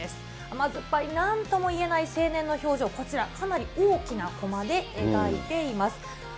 甘酸っぱい、なんともいえない青年の表情、こちら、かなり大きなコマで描いています。